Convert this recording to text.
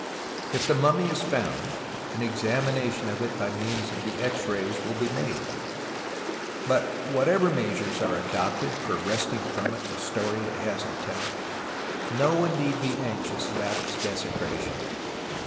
If the mummy is found, an examination of it by means of the X rays will be made ; but, whatever measures are adopted for wresting from it the story it has to tell, no one need be anxious about its desecration.